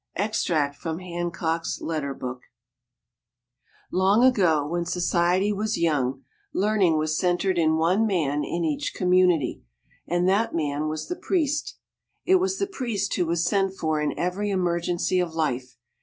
Extract From Hancock's Letter Book [Illustration: JOHN HANCOCK] Long years ago when society was young, learning was centered in one man in each community, and that man was the priest. It was the priest who was sent for in every emergency of life.